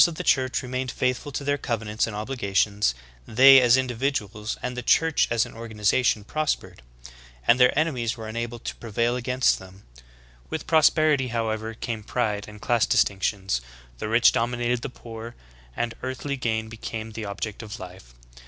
While the members of the Church remained faithful to their covenants and obliga tions, they as individuals and the Church as an organization prospered ; and their enemies were unable to prevail against them. With prosperity, however, came pride and class dis tinctions, the rich dominated the poor, and earthly gain be came the object of life